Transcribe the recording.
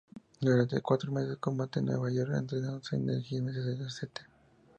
Durante cuatro meses combate en Nueva York, entrenándose en el gimnasio de la St.